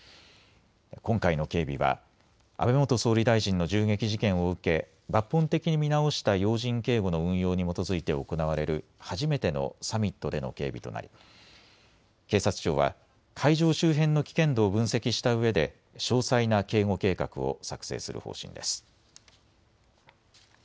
今回の警備は安倍元総理大臣の銃撃事件を受け抜本的に見直した要人警護の運用に基づいて行われる初めてのサミットでの警備となり警察庁は会場周辺の危険度を分析したうえで詳細な警護計画を作成する方針です。